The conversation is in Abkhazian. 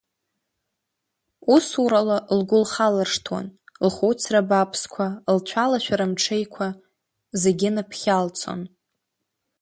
Усурала лгәы лхалыршҭуан, лхәыцра бааԥсқәа, лцәалашәара мҽеиқәа, зегьы ныԥхьалцон.